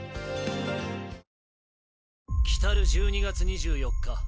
１２月２４日